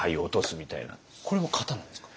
これも型なんですか？